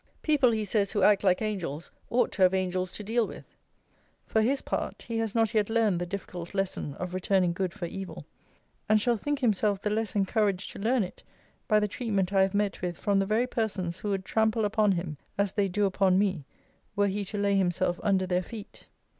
People, he says, who act like angels, ought to have angels to deal with. For his part, he has not yet learned the difficult lesson of returning good for evil: and shall think himself the less encouraged to learn it by the treatment I have met with from the very persons who would trample upon him, as they do upon me, were he to lay himself under their feet.